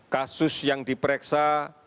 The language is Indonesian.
kasus yang diperiksa